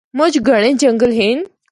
مُچ گھَنڑے جنگل ہن۔